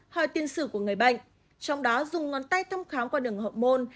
hỏi tiền sử của người bệnh trong đó dùng ngón tay thăm khám qua đường hormôn